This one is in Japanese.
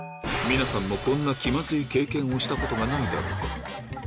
皆さんもこんな気まずい経験をしたことがないだろうか？